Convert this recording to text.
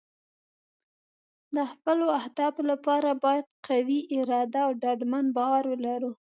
د خپلو اهدافو لپاره باید قوي اراده او ډاډمن باور ولرو.